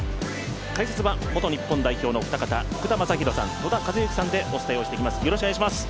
解説は元日本代表のお二方、福田正博さん、戸田和幸さんでお伝えをしていきます。